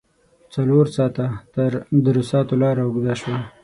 څلور ساعته تر دروساتو لار اوږده شوه.